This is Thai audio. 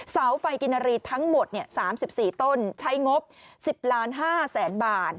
เสาไฟกินรีทั้งหมด๓๔ต้นใช้งบ๑๐๕๐๐๐๐บาท